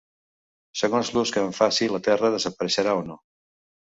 Segons l’ús que en faci la terra desapareixerà o no.